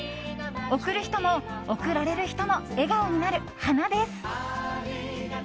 贈る人も贈られる人も笑顔になる花です。